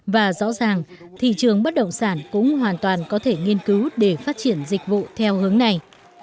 và rõ ràng thị trường bất động sản cũng hoàn toàn có thể nghiên cứu để phát triển dịch vụ theo hướng này